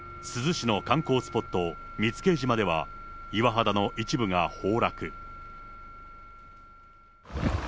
珠洲市の観光スポット、見附島では、岩肌の一部が崩落。